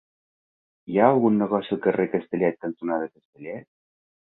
Hi ha algun negoci al carrer Castellet cantonada Castellet?